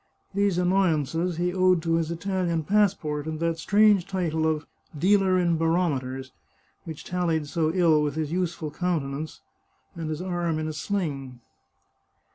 These annoyances he owed to his Italian passport, and that strange title of " dealer in barometers," which tallied so ill with his youthful countenance, and his arm in a sling.